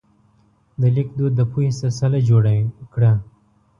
د لیک دود د پوهې سلسله جوړه کړه.